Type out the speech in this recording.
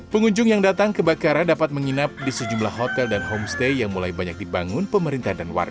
pengunjung yang datang ke bakara dapat menginap di sejumlah hotel dan homestay yang mulai banyak dibangun pemerintah dan warga